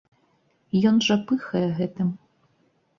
Ён жа пыхае гэтым!